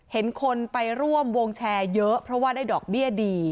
เห็นคนไปร่วมวงแชร์เยอะเพราะว่าได้ดอกเบี้ยดี